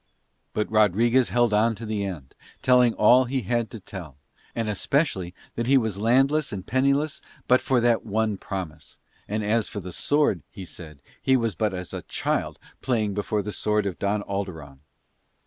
But Rodriguez held on to the end, telling all he had to tell; and especially that he was landless and penniless but for that one promise; and as for the sword, he said, he was but as a child playing before the sword of Don Alderon.